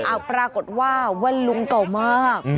ปรากฏว่าวันลุงเก่ามาก